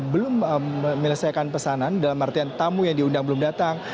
belum menyelesaikan pesanan dalam artian tamu yang diundang belum datang